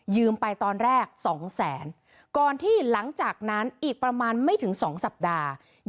ไปตอนแรก๒แสนก่อนที่หลังจากนั้นอีกประมาณไม่ถึง๒สัปดาห์